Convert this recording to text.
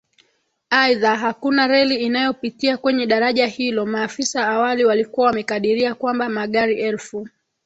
Aidha hakuna reli inayopitia kwenye daraja hilo Maafisa awali walikuwa wamekadiria kwamba magari elfu